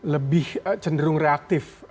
lebih cenderung reaktif